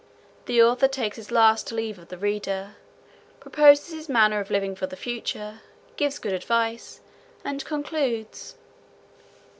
The author takes his last leave of the reader; proposes his manner of living for the future; gives good advice, and concludes.